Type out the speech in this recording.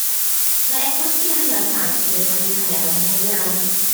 Mae Eglwys Fihangel Sant, neu Llanfihangel, yn hen iawn.